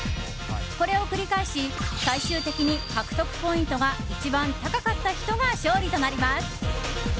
これを繰り返し、最終的に獲得ポイントが一番高かった人が勝利となります。